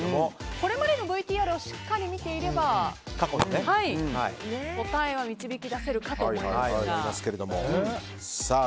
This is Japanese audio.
これまで、過去のＶＴＲをしっかり見ていれば答えは導き出せるかと思いますが。